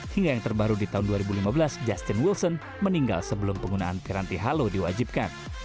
hingga yang terbaru di tahun dua ribu lima belas justin wilson meninggal sebelum penggunaan piranti halo diwajibkan